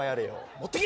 持ってけ！